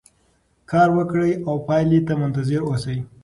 کار وکړئ او پایلې ته منتظر اوسئ.